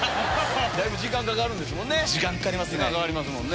だいぶ時間かかるんですもんね。